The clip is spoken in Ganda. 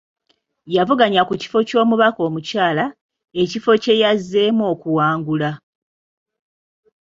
Yavuganya ku kifo ky’omubaka omukyala, ekifo kye yazzeemu okuwangula.